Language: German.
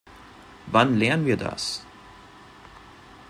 Wann lernen wir das?